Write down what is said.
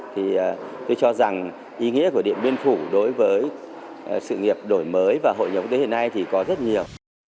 thì tôi cho rằng ý nghĩa của điện biên phủ đối với sự nghiệp đổi mới và hội nhập tới hiện nay thì có rất nhiều